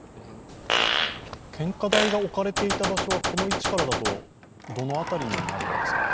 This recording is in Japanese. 献花台が置かれていた場所はこの位置からだと、どの辺りになりますか？